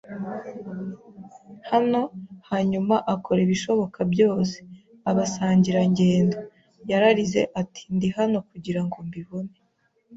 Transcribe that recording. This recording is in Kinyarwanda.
hano. ” Hanyuma, akora ibishoboka byose: “Abasangirangendo,” yararize ati: “Ndi hano kugira ngo mbibone